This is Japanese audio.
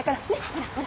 ほらほら。